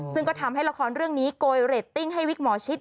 ซึ่งก็ทำให้ละครเรื่องนี้โกยเรตติ้งให้วิกหมอชิด